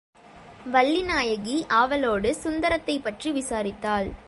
வள்ளிநாயகி ஆவலோடு சுந்தரத்தைப்பற்றி விசாரித்தாள்.